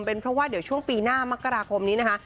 เป็นเพราะว่าเดี๋ยวช่วงปีหน้ามกราคมนี้นะคะ